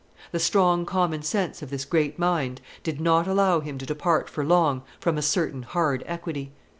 The strong common sense of this great mind did not allow him to depart for long from a certain hard equity.